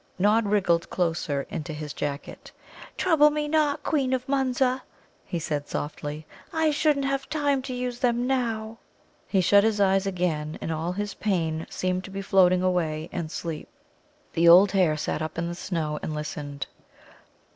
Nod wriggled closer into his jacket. "Trouble not, Queen of Munza," he said softly. "I shouldn't have time to use them now." He shut his eyes again, and all his pain seemed to be floating away in sleep. The old hare sat up in the snow and listened.